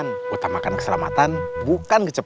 terima kasih sama sama